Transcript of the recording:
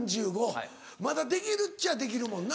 まだできるっちゃできるもんな。